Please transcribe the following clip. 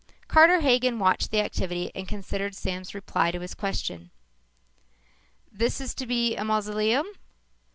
Carter Hagen watched the activity and considered Sam's reply to his question. "Then this is to be a mausoleum?"